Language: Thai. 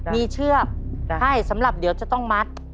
มีเชือกให้สำหรับเดี๋ยวจะต้องมัด